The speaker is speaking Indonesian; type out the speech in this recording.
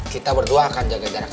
kita berdua akan jaga jarak